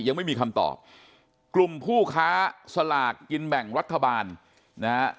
ยังไม่มีคำตอบกลุ่มผู้ค้าสลากกินแบ่งรัฐบาลนะฮะ